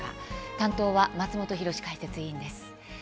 担当は松本浩司解説委員です。